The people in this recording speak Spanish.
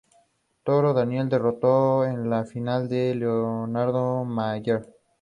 Creó un herbario en la Universidad de Provenza, Marsella.